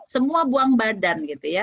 semua buang badan gitu ya